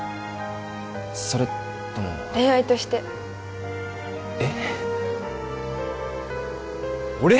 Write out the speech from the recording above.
それとも恋愛としてええっ俺！？